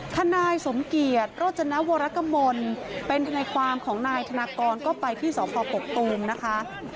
นายสมเกียจโรจนวรกมลเป็นทนายความของนายธนากรก็ไปที่สพกกตูมนะคะ